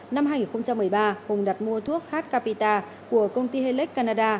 năm hai nghìn một mươi ba hùng đặt mua thuốc h capita của công ty helles canada